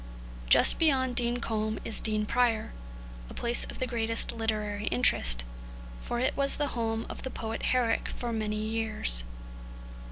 Just beyond Dean Combe is Dean Prior, a place of the greatest literary interest, for it was the home of the poet Herrick for many years.